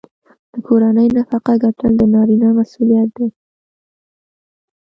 د کورنۍ نفقه ګټل د نارینه مسوولیت دی.